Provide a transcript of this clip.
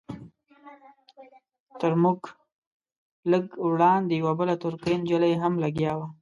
تر موږ لږ وړاندې یوه بله ترکۍ نجلۍ هم لګیا وه.